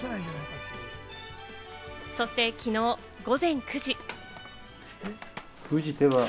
そしてきのう午前９時。